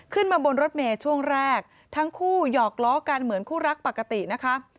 ขึ้นมาบนรถเมย์ช่วงแรกทั้งคู่หยอกล้อกันเหมือนคู่รักปกตินะคะ